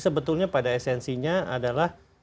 sebetulnya pada esensinya adalah